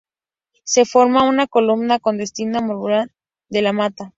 Se forma una columna con destino a Navalmoral de la Mata.